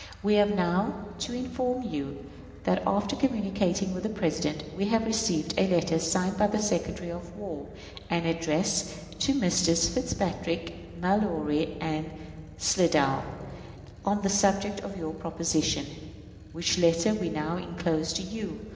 we have now to inform you that, after communicating with the President, we have received a letter signed by the Secretary of War, and addressed to Messrs. Fitzpatrick, Mallory, and Slidell, on the subject of our proposition, which letter we now inclose to you.